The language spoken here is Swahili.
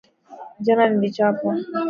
Jana nlichapwa